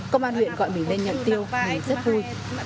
công an huyện gọi mình lên nhận tiêu này rất vui